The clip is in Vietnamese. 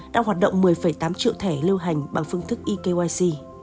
đang hoạt động một mươi tám triệu thẻ lưu hành bằng phương thức ekyc